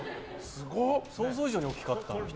想像以上に大きかった。